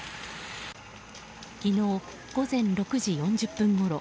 昨日午前６時４０分ごろ